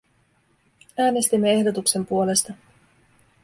Äänestimme ehdotuksen puolesta.